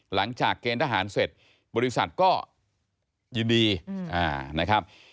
หลังจากเกณฑหาเสร็จบริษัทก็ยินดี